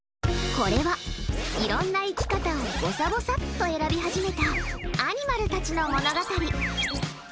これは、いろんな生き方をぼさぼさっと選び始めたアニマルたちの物語。